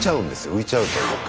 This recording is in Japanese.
浮いちゃうというか。